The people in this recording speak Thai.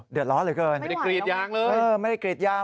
เดือดร้อนเหลือเกินไม่ได้กรีดยางเลยไม่ได้กรีดยาง